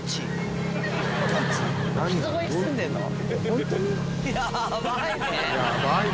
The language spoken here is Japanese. ホントに？